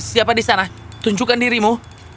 siapa di sana tunjukkan dirimu